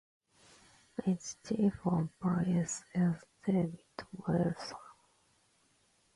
Its Chief of Police is David Wilson.